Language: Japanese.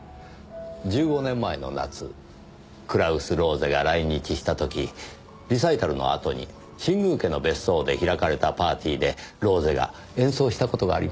１５年前の夏クラウス・ローゼが来日した時リサイタルのあとに新宮家の別荘で開かれたパーティーでローゼが演奏した事がありましたね？